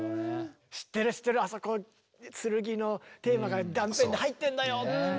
知ってる知ってるあそこ剣のテーマが断片で入ってんだよ。